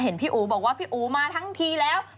พี่อู๋บอกว่าพี่อู๋มาทั้งทีแล้ว